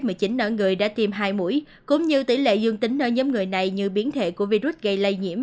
nếu một người đã tiêm hai mũi cũng như tỷ lệ dương tính ở nhóm người này như biến thể của virus gây lây nhiễm